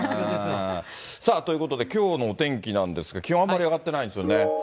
さあ、ということで、きょうのお天気なんですけど、気温、あんまり上がってないんですよね。